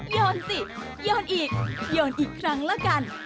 โยนสิโยนอีกโยนอีกครั้งแล้วกัน